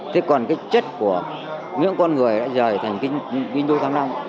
thế còn cái chất của những con người đã rời thành vinh du thăng long